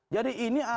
jadi ini ada